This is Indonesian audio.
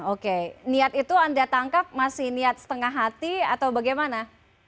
oke niat itu anda tangkap masih niat setengah hati atau bagaimana